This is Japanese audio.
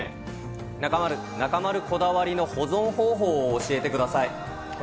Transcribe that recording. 中丸、中丸こだわりの保存方法を教えてください。